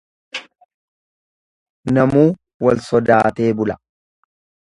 Namuu wal sodaatee bula.